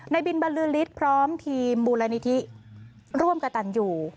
ในบินบรรลือริสต์พร้อมทีมบูรณนิธิร่วมกับตันอยู่